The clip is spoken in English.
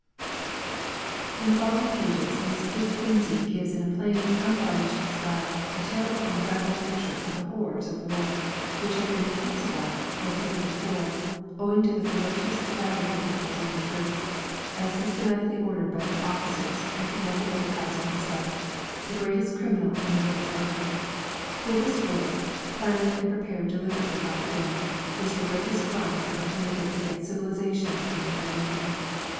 B. In the following pages Miss Kate Finzi gives in a plain, unvarnished style a terrible and graphic picture of the horrors of war, which have been intensified, as never before, owing to the ferocious savagery of the German troops, as systematically ordered by their officers and commanded by the Kaiser himself, the greatest criminal in the world's record; for this war, planned and prepared deliberately by him, is the greatest crime ever committed against civilisation and humanity.